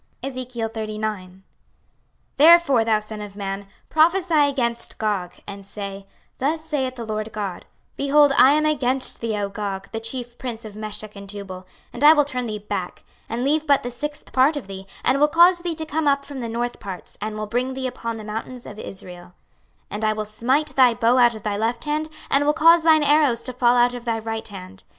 26:039:001 Therefore, thou son of man, prophesy against Gog, and say, Thus saith the Lord GOD; Behold, I am against thee, O Gog, the chief prince of Meshech and Tubal: 26:039:002 And I will turn thee back, and leave but the sixth part of thee, and will cause thee to come up from the north parts, and will bring thee upon the mountains of Israel: 26:039:003 And I will smite thy bow out of thy left hand, and will cause thine arrows to fall out of thy right hand.